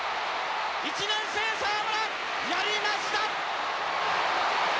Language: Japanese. １年生沢村やりました！